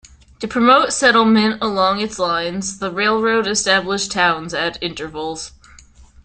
To promote settlement along its line, the railroad established towns at intervals.